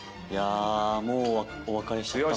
もうお別れしちゃったのか。